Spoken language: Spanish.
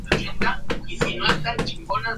Marco era el hijo mayor y sucesor de Angelo Sanudo.